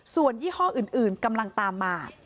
ส่วนยี่ห้ออื่นกำลังตามมา